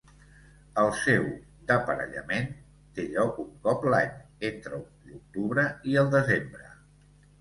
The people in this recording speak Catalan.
El seu d'aparellament té lloc un cop l'any, entre l'octubre i el desembre.